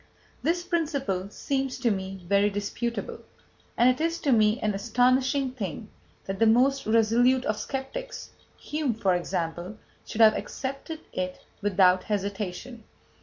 This principle seems to me very disputable, and it is to me an astonishing thing that the most resolute of sceptics Hume, for example should have accepted it without hesitation.